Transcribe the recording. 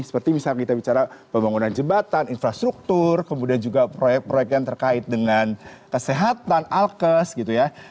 seperti misalnya kita bicara pembangunan jembatan infrastruktur kemudian juga proyek proyek yang terkait dengan kesehatan alkes gitu ya